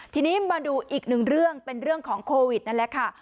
ทีนี้มาดูอีกหนึ่งเรื่องเป็นเรื่องของโควิดนั่นแหละค่ะ